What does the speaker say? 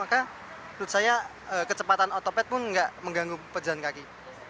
kalau di sini maka menurut saya kecepatan otopet pun nggak mengganggu pejalan kaki